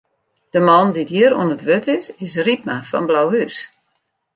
De man dy't hjir oan it wurd is, is Rypma fan Blauhûs.